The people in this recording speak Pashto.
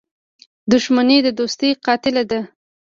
• دښمني د دوستۍ قاتله ده.